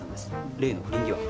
例の不倫疑惑の。